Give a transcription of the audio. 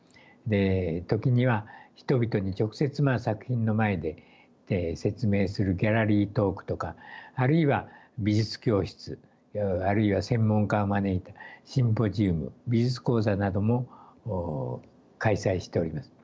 時には人々に直接作品の前で説明するギャラリートークとかあるいは美術教室あるいは専門家を招いたシンポジウム美術講座なども開催しております。